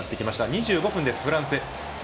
２５分、フランス。